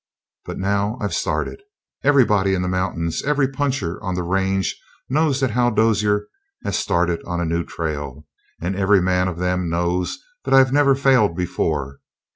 But now I've started. Everybody in the mountains, every puncher on the range knows that Hal Dozier has started on a new trail, and every man of them knows that I've never failed before.